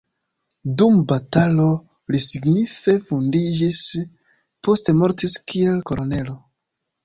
Dum batalo li signife vundiĝis, poste mortis kiel kolonelo.